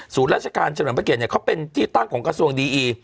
สูตรราชการเฉพาะเกียรติเขาเป็นที่ตั้งของกระทรวงดีอี